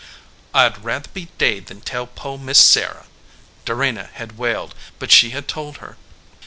"I d rather be daid, than tell po Miss Sarah," Dorena had wailed but she had told her.